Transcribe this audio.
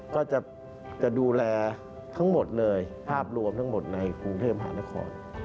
ก็จะดูแลทั้งหมดเลยภาพรวมทั้งหมดในกรุงเทพหานคร